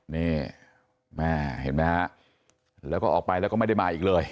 นี่แม่เห็นไหมฮะแล้วก็ออกไปแล้วก็ไม่ได้มาอีกเลย